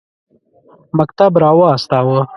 مکتوب را واستاوه.